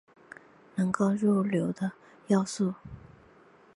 能够入流的要素。